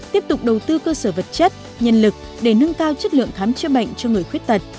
tiếp tục đầu tư cơ sở vật chất nhân lực để nâng cao chất lượng khám chữa bệnh cho người khuyết tật